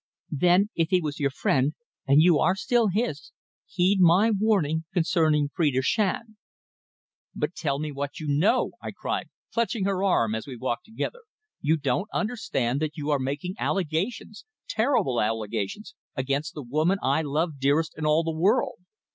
"Then, if he was your friend and you are still his, heed my warning concerning Phrida Shand." "But tell me what you know?" I cried, clutching her arm as we walked together. "You don't understand that you are making allegations terrible allegations against the woman I love dearest in all the world.